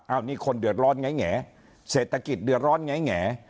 อันนี้คนเดือดร้อนแงเศรษฐกิจเดือดร้อนแง่